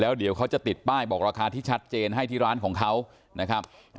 เดี๋ยวเขาจะติดป้ายบอกราคาที่ชัดเจนให้ที่ร้านของเขานะครับ